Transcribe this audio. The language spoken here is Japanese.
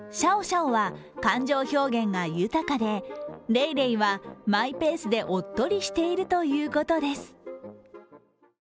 シャオシャオは感情表現が豊かでレイレイはマイペースでおっとりしているということです。